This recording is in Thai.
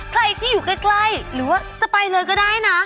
ใครที่อยู่ใกล้หรือว่าจะไปเลยก็ได้นะ